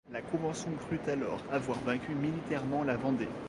La Convention crut alors avoir vaincu militairement la Vendée.